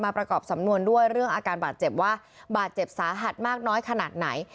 ประกอบสำนวนด้วยเรื่องอาการบาดเจ็บว่าบาดเจ็บสาหัสมากน้อยขนาดไหน